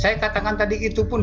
saya katakan tadi itu pun